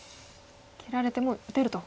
切られても打てると。